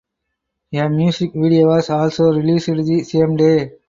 A music video was also released the same day.